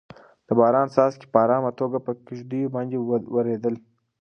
د باران څاڅکي په ارامه توګه په کيږديو باندې ورېدل.